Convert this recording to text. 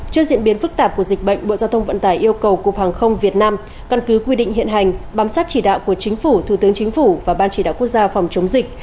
trước diễn biến phức tạp của dịch bệnh bộ giao thông vận tải yêu cầu cục hàng không việt nam căn cứ quy định hiện hành bám sát chỉ đạo của chính phủ thủ tướng chính phủ và ban chỉ đạo quốc gia phòng chống dịch